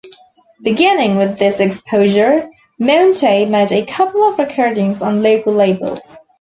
Beginning with this exposure, Monte made a couple of recordings on local labels.